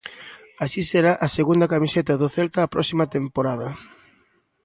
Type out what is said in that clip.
Así será a segunda camiseta do Celta a próxima temporada.